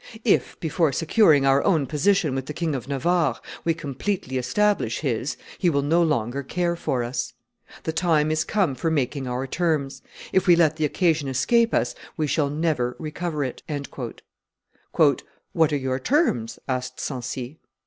If, before securing our own position with the King of Navarre, we completely establish his, he will no longer care for us. The time is come for making our terms; if we let the occasion escape us, we shall never recover it." "What are your terms?" asked Sancy.